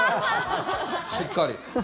しっかり。